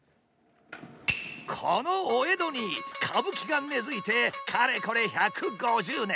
このお江戸に歌舞伎が根づいてかれこれ１５０年。